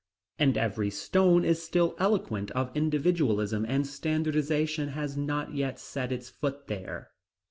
And every stone is still eloquent of individualism, and standardization has not yet set its foot there.